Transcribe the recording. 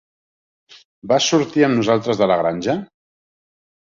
Vas sortir amb nosaltres de La granja?